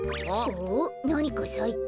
おっなにかさいた。